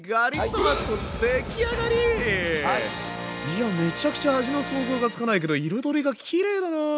いやめちゃくちゃ味の想像がつかないけど彩りがきれいだな。